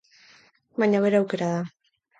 Baina bere aukera da.